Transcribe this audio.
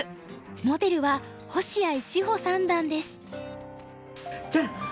モデルは星合志保三段です。